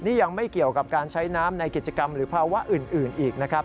นี่ยังไม่เกี่ยวกับการใช้น้ำในกิจกรรมหรือภาวะอื่นอีกนะครับ